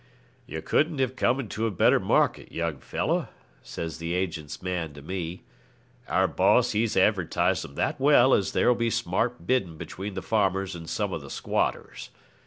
'You couldn't have come into a better market, young fellow,' says the agent's man to me. 'Our boss he's advertised 'em that well as there'll be smart bidding between the farmers and some of the squatters.